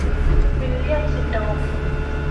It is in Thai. วิลเลี่ยมซินโดม